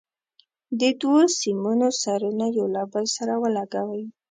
د دوو سیمونو سرونه یو له بل سره ولګوئ.